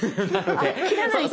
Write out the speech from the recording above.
あっ切らないと。